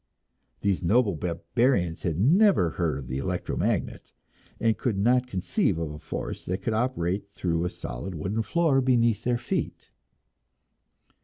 These noble barbarians had never heard of the electro magnet, and could not conceive of a force that could operate through a solid wooden floor beneath their feet.